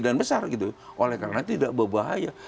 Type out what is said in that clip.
dan besar oleh karena tidak berbahaya